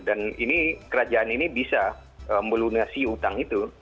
dan ini kerajaan ini bisa melunasi utang itu